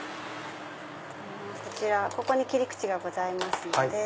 こちらここに切り口がございますので。